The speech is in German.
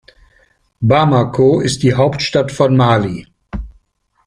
Bamako ist die Hauptstadt von Mali.